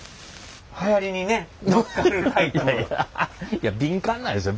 いや敏感なんですよ。